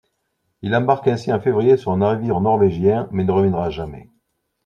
Il embarque ainsi en février sur un navire norvégien mais ne reviendra jamais.